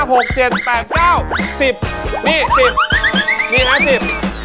ผมกิน๑๐แล้วก็ครึ่งนะนี่